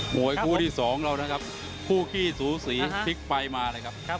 มวยคู่ที่สองเรานะครับคู่ขี้สูสีพลิกไปมาเลยครับ